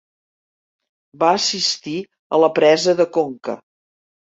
Va assistir a la presa de Conca.